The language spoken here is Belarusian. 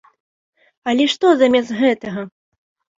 Але што замест гэтага?